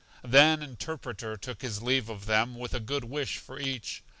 Then Interpreter took his leave of them, with a good wish for each.